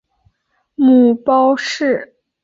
母包氏。